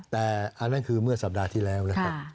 แต่อันนั้นคือเมื่อสัปดาห์ที่แล้วนะครับ